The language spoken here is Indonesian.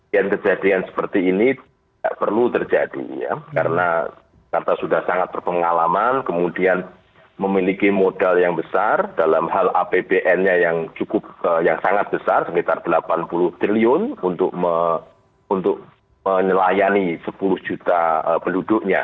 jadi seharusnya kejadian seperti ini tidak perlu terjadi karena jakarta sudah sangat berpengalaman kemudian memiliki modal yang besar dalam hal apbn nya yang sangat besar sekitar rp delapan puluh triliun untuk menyelayani sepuluh juta penduduknya